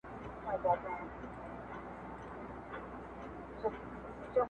نصیب د جهاني له ستوني زور دی تښتولی؛